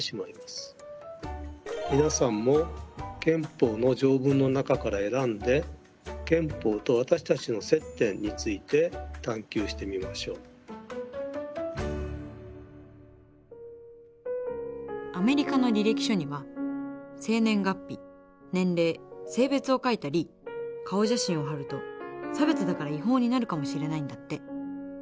皆さんも憲法の条文の中から選んでアメリカの履歴書には生年月日年齢性別を書いたり顔写真を貼ると差別だから違法になるかもしれないんだって。